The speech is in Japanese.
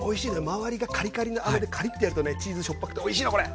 周りがカリカリのあめでカリッとやるとねチーズしょっぱくておいしいのこれ！